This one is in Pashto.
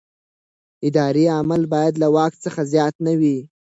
اداري عمل باید له واک څخه زیات نه وي.